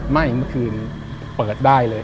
เมื่อคืนเปิดได้เลย